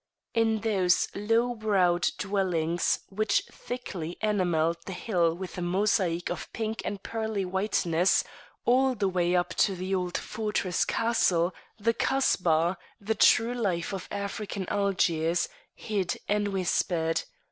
In those low browed dwellings which thickly enamelled the hill with a mosaic of pink and pearly whiteness, all the way up to the old fortress castle, the Kasbah, the true life of African Algiers hid and whispered.